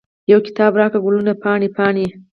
یو کتاب راکړه، ګلونه پاڼې، پاڼې